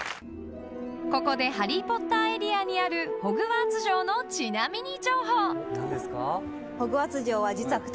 ［ここでハリー・ポッターエリアにあるホグワーツ城のちなみに情報！］